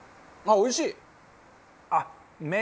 おいしい！